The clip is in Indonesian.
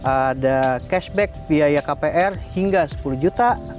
ada cashback biaya kpr hingga sepuluh juta